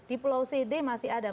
di pulau sede masih ada